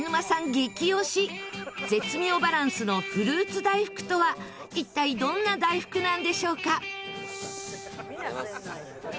激推し絶妙バランスのフルーツ大福とは一体どんな大福なんでしょうか？